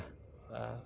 begitu berkurang bu budi